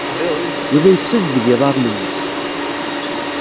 Yuba yessazdeg iḍarren-nnes.